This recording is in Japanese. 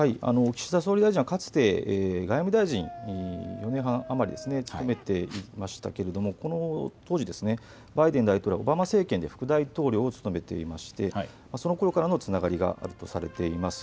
岸田総理大臣はかつて外務大臣を４年半余り務めていましたけれどもこの当時、バイデン大統領はオバマ政権で副大統領を務めていましてそのころからのつながりがあるとされています。